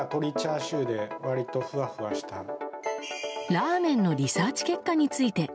ラーメンのリサーチ結果について。